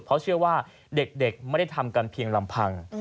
เพราะเชื่อว่าเด็กไม่ได้ทำกันเพียงลำพัง